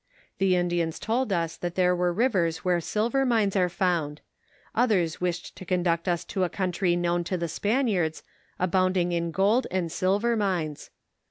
The Indians told us that there were rivers where silver mines are found : others wished to conduct us to a country known to the Spaniards, abound ing in gold and silver mines.